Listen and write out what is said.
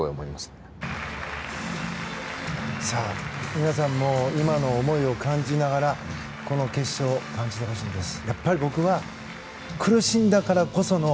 皆さんも今の思いを感じながらこの決勝、感じてほしいです。